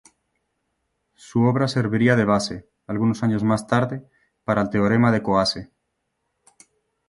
Su obra serviría de base, algunos años más tarde, para el teorema de Coase.